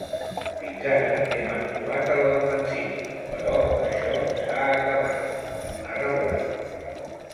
Fins ara hem actuat a la defensiva, però això s’ha acabat, ha reblat.